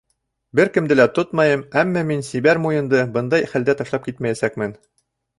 Бер кемде лә тотмайым, әммә мин Сибәр Муйынды бындай хәлдә ташлап китмәйәсәкмен!